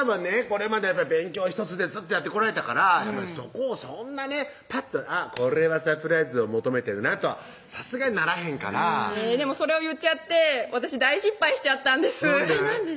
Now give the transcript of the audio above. これまで勉強一筋でずっとやってこられたからそこをそんなねぱっと「あっこれはサプライズを求めてるな」とはさすがにならへんからでもそれを言っちゃって私大失敗しちゃったんですなんで？